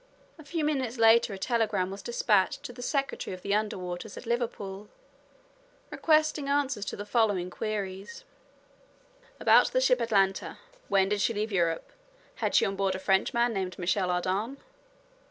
A few minutes later a telegram was dispatched to the secretary of the underwriters at Liverpool, requesting answers to the following queries: "About the ship Atlanta—when did she leave Europe? Had she on board a Frenchman named Michel Ardan?"